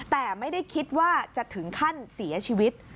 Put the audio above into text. แต่ไม่ได้คิดว่าจะถึงขั้นเสียชีวิต